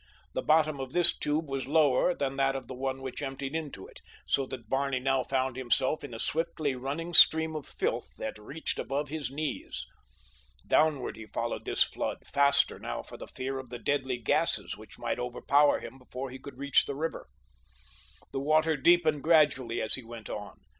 The bottom of this tube was lower than that of the one which emptied into it, so that Barney now found himself in a swiftly running stream of filth that reached above his knees. Downward he followed this flood—faster now for the fear of the deadly gases which might overpower him before he could reach the river. The water deepened gradually as he went on.